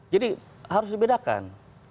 jadi harus dibedakan